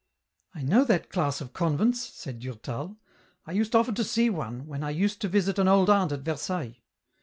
" I know that class of convents," said Durtal. " I used often to see one, when I used to visit an old aunt at Versailles.